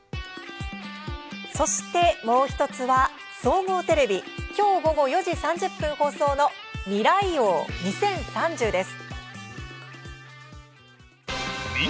そしてもう１つは、総合テレビ今日、午後４時３０分放送の「未来王２０３０」です。